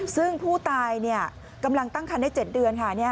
ซึ่งผู้ตายกำลังตั้งคันได้๗เดือนค่ะ